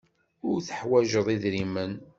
Ur teḥwajeḍ idrimen.